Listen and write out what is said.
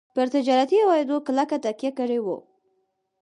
پر تجارتي عوایدو کلکه تکیه کړې وه.